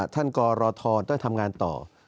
ท่านกรรทรต้องทำงานต่อ